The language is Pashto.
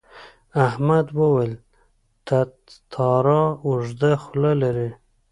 احمد وویل تتارا اوږده خوله لري.